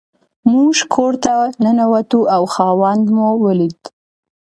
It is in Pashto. موږ کور ته ننوتو او خاوند مو ولید.